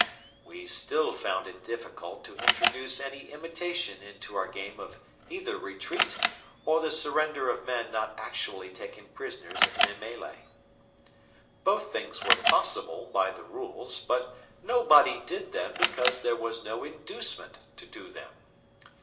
We still found it difficult to introduce any imitation into our game of either retreat or the surrender of men not actually taken prisoners in a melee. Both things were possible by the rules, but nobody did them because there was no inducement to do them.